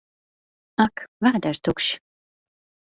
Ak! Vēders tukšs!